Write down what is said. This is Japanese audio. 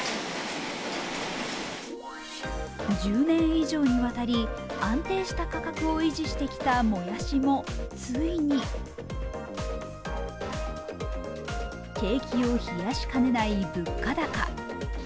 １０年以上にわたり安定した価格を維持してきたもやしも、ついに景気を冷やしかねない物価高。